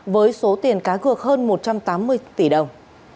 với số tiền cá cược hơn một trăm tám mươi tỷ đồng